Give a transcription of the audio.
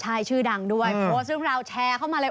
ใช่ชื่อดังด้วยโพสต์เรื่องราวแชร์เข้ามาเลย